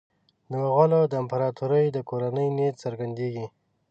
د مغولو د امپراطور د کورنۍ نیت څرګندېږي.